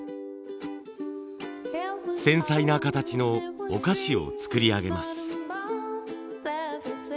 繊細な形のお菓子を作り上げます。